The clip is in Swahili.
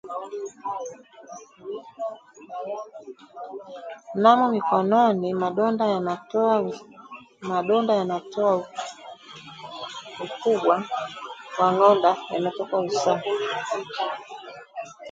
Namo mikononi, madonda yanayotoa ukuba wa ng'onda yanatoka usaha